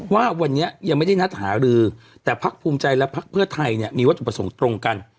ว่าวันนี้ยังไม่ได้นัดหารือแต่พักภูมิใจและพักเพื่อไทยเนี่ยมีวัตถุประสงค์ตรงกัน